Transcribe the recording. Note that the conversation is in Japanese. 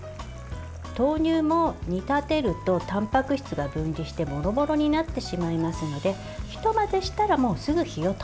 豆乳も煮立てるとたんぱく質が分離してもろもろになってしまいますのでひと混ぜしたらすぐ火を止めます。